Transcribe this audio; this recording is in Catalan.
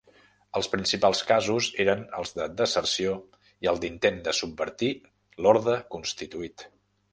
Els principals casos eren els de deserció i el d'intent de subvertir l'orde constituït.